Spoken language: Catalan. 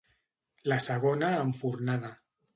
La segona enfornada.